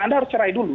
anda harus cerai dulu